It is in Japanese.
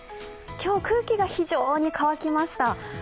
今日、空気が非常に乾きました。